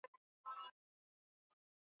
yote yanatufunulia Baba na matakwa yake kwetu